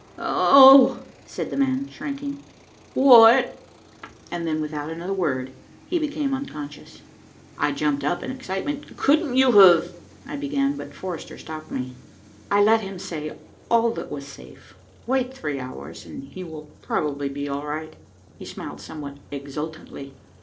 "Oh!" said the man shrinking. "What " and then without another word he became unconscious. I jumped up in excitement. "Couldn't you have, " I began, but Forrester stopped me. "I let him say all that was safe. Wait three hours, and he will probably be all right." He smiled somewhat exultantly.